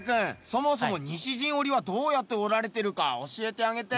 そもそも西陣織はどうやって織られてるか教えてあげて。